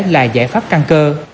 là giải pháp căn cơ